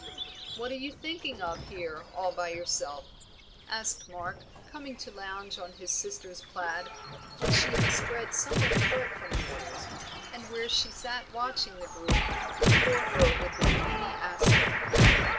"What are you thinking of here all by yourself?" asked Mark, coming to lounge on his sister's plaid, which she had spread somewhat apart from the others, and where she sat watching the group before her with a dreamy aspect.